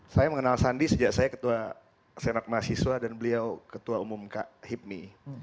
saya mengenal sandi sejak saya ketua senat mahasiswa dan beliau ketua umum kak hibmi